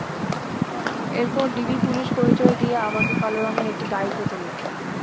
এরপর DB police পরিচয় দিয়ে আমাকে কালো রঙের একটি গাড়িতে তোলে।